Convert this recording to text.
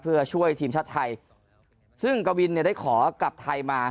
เพื่อช่วยทีมชาติไทยซึ่งกวินเนี่ยได้ขอกลับไทยมา